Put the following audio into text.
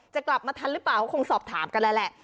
จะกลับมาทันหรือเปล่าก็คงสอบถามกันแล้วแหละ